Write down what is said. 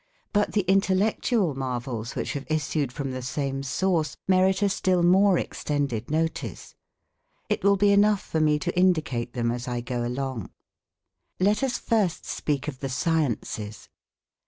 But the intellectual marvels which have issued from the same source, merit a still more extended notice. It will be enough for me to indicate them as I go along. Let us first speak of the sciences.